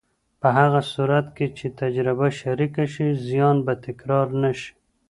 په هغه صورت کې چې تجربه شریکه شي، زیان به تکرار نه شي.